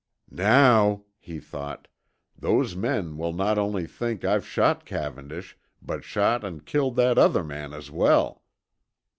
"Now," he thought, "those men will not only think I've shot Cavendish, but shot and killed that other man as well."